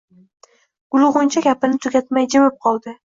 Gulg‘uncha gapini tugatmay jimib qoldi.